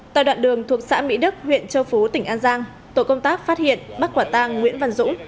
tại đoạn đường thuộc xã mỹ đức huyện châu phú tỉnh an giang tổ công tác phát hiện bắt quả tang nguyễn văn dũng